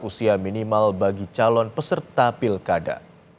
usia minimal bagi calon peserta pilkada